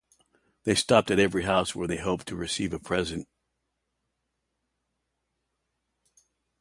They stopped at every house where they hoped to receive a present.